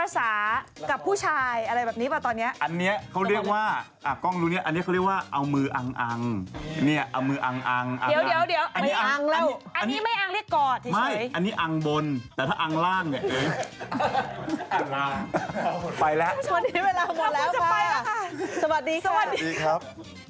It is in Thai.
ถือลุกเป็นเงินเทียบและความสูญและถือลุกเป็นราคาทั้งวันนี้รับคุณภาษีนับใครได้ความสูญได้คุณภาษีไลค์ครับ